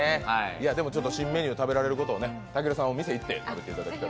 でも新メニュー食べられることをね、たけるさんお店に行って食べてください。